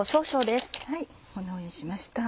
こんなふうにしました。